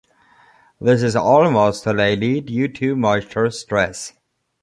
This is almost solely due to moisture stress.